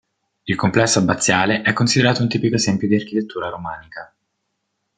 Il complesso abbaziale è considerato un tipico esempio di architettura romanica.